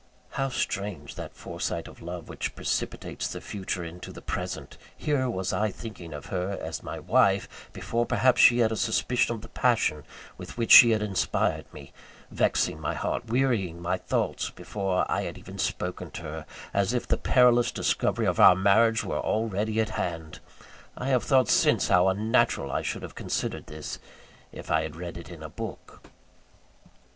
(How strange that foresight of love which precipitates the future into the present! Here was I thinking of her as my wife, before, perhaps, she had a suspicion of the passion with which she had inspired me vexing my heart, wearying my thoughts, before I had even spoken to her, as if the perilous discovery of our marriage were already at hand! I have thought since how unnatural I should have considered this, if I had read it in a book.)